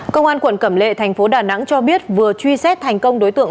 công an quận cẩm lệ thành phố đà nẵng cho biết vừa truy xét thành công đối tượng